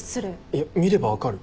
いや見れば分かる。